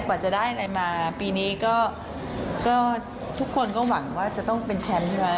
กว่าจะได้อะไรมาปีนี้ก็ทุกคนก็หวังว่าจะต้องเป็นแชมป์ใช่ไหม